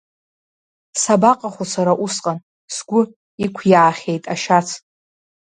Сабаҟаху сара усҟан, сгәы иқәиаахьеит ашьац.